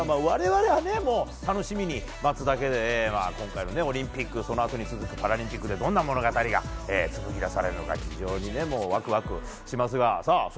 我々は楽しみに待つだけで今回もオリンピックそのあとに続くパラリンピックでどんな物語が紡ぎ出されるのか非常にワクワクしますが。